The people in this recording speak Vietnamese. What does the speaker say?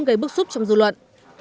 gây bức xúc trong dư luận